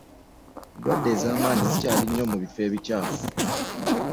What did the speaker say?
Endwade ez'amanyi zikyali nnyo mu biffo ebikyafu.